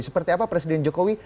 seperti apa presiden jokowi